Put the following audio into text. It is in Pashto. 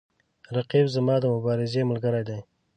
رقیب زما د مبارزې ملګری دی